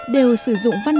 đều sử dụng văn hóa